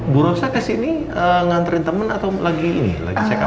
bu rosa ke sini mengantarkan teman atau lagi cekap